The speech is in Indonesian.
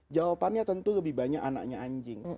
jawabannya tentu lebih banyak anaknya anjing